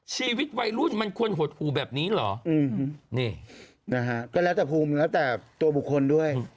ชีวิตวัยรุ่นมันควรหดหูแบบนี้เหรอนี่นะฮะก็แล้วแต่ภูมิแล้วแต่ตัวบุคคลด้วย